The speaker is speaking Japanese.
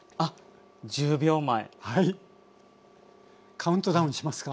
カウントダウンしますか？